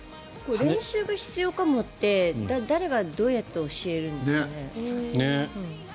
練習が必要かもって誰がどうやって教えるんですかね。